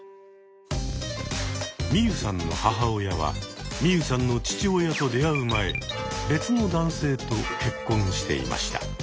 ミユさんの母親はミユさんの父親と出会う前別の男性と結婚していました。